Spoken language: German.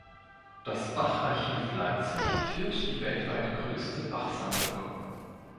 Das Bach-Archiv Leipzig führt die weltweit größte Bach-Sammlung.